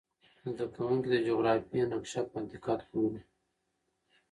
زده کوونکي د جغرافیې نقشه په دقت ګوري.